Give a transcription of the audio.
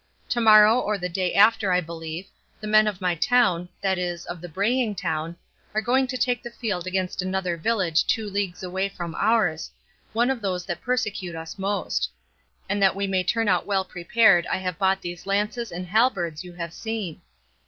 To morrow or the day after, I believe, the men of my town, that is, of the braying town, are going to take the field against another village two leagues away from ours, one of those that persecute us most; and that we may turn out well prepared I have bought these lances and halberds you have seen.